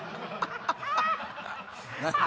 何だ？